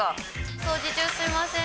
掃除中、すみません。